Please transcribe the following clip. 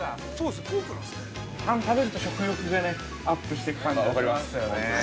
◆タン食べると、食欲がアップしていく感じがしますよね。